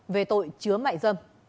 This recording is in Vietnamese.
về tội chứa mại dâm